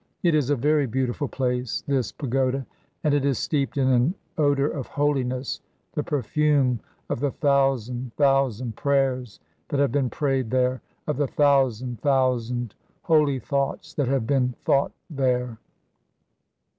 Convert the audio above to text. It is a very beautiful place, this pagoda, and it is steeped in an odour of holiness, the perfume of the thousand thousand prayers that have been prayed there, of the thousand thousand holy thoughts that have been thought there.